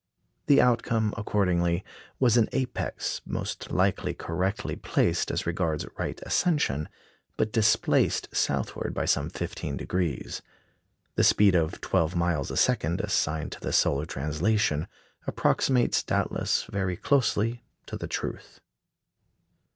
The outcome, accordingly, was an apex most likely correctly placed as regards right ascension, but displaced southward by some fifteen degrees. The speed of twelve miles a second, assigned to the solar translation, approximates doubtless very closely to the truth.